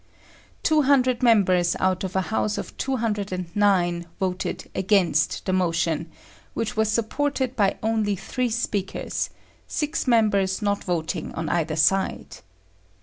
Two hundred members out of a house of 209 voted against the motion, which was supported by only three speakers, six members not voting on either side.